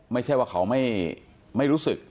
ไม่ใช่ว่าเขาไม่รู้สึก